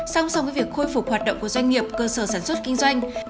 song song với việc khôi phục hoạt động của doanh nghiệp cơ sở sản xuất kinh doanh